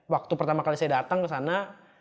waktu pertama kali saya datang ke sana